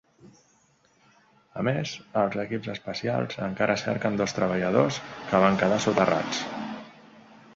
A més, els equips especials encara cerquen dos treballadors que van quedar soterrats.